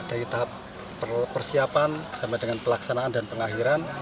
dari tahap persiapan sampai dengan pelaksanaan dan pengakhiran